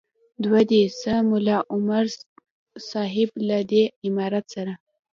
دوه دې سه ملا عمر صاحب له دې امارت سره.